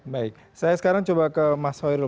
baik saya sekarang coba ke mas hoirul